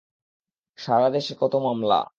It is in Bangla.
সারা দেশে কত মামলা!